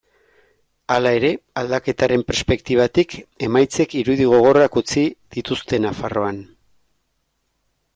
Hala ere, aldaketaren perspektibatik, emaitzek irudi gogorrak utzi dituzte Nafarroan.